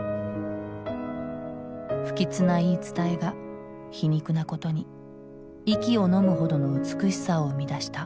不吉な言い伝えが皮肉なことに息をのむほどの美しさを生み出した。